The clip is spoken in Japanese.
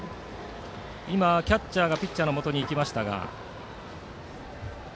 今、キャッチャーがピッチャーのもとに行きました。